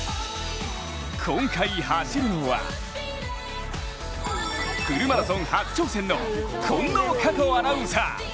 今回走るのはフルマラソン初挑戦の近藤夏子アナウンサー。